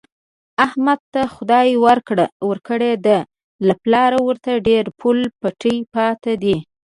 احمد ته خدای ورکړې ده، له پلاره ورته ډېر پوله پټی پاتې دی.